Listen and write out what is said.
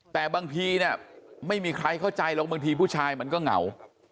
แต่บางทีเนี่ยไม่มีใครเข้าใจหรอกบางทีผู้ชายมันก็เหงา